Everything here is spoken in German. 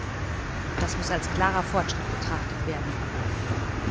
Das muss als klarer Fortschritt betrachtet werden.